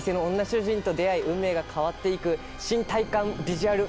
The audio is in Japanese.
主人と出会い運命が変わって行く新体感ビジュアル